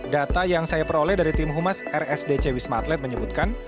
data yang saya peroleh dari tim humas rsdc wisma atlet menyebutkan